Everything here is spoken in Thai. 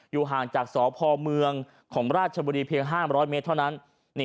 ห่างจากสพเมืองของราชบุรีเพียง๕๐๐เมตรเท่านั้น